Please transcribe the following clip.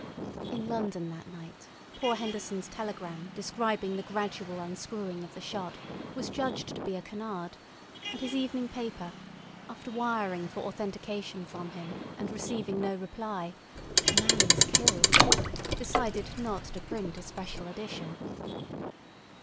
In London that night poor Henderson's telegram describing the gradual unscrewing of the shot was judged to be a canard, and his evening paper, after wiring for authentication from him and receiving no reply—the man was killed—decided not to print a special edition.